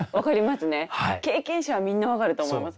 経験者はみんな分かると思います。